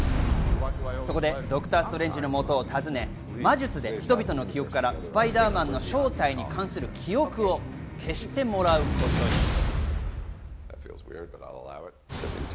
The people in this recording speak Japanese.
そこでドクター・ストレンジのもとを訪ね魔術で人々の記憶からスパイダーマンの正体に関する記憶を消してもらうことに。